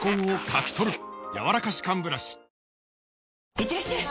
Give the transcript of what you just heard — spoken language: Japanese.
いってらっしゃい！